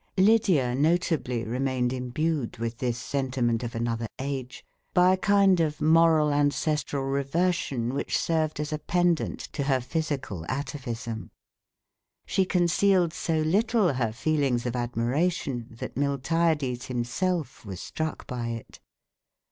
Lydia, notably, remained imbued with this sentiment of another age, by a kind of moral ancestral reversion which served as a pendant to her physical atavism. She concealed so little her feelings of admiration, that Miltiades himself was struck by it.